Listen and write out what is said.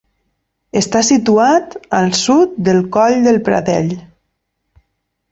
Està situat al sud del Coll de Pradell.